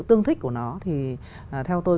tương thích của nó thì theo tôi